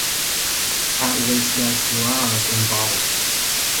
At least there’s love involved.